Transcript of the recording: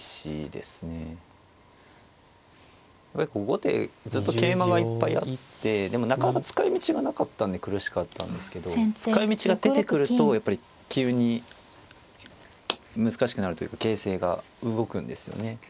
後手ずっと桂馬がいっぱいあってでもなかなか使いみちがなかったんで苦しかったんですけど使いみちが出てくるとやっぱり急に難しくなるというか形勢が動くんですよね。